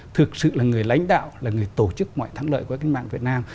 thực sự là người lãnh đạo là người tổ chức mọi thắng lợi của cách mạng việt nam